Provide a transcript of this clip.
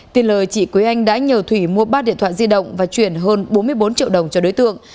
tin lời chị quế anh đã nhờ thủy mua ba điện thoại di động và chuyển hơn bốn mươi bốn triệu đồng cho đối tượng